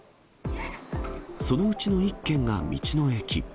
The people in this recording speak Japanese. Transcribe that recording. そのうちの１件が道の駅。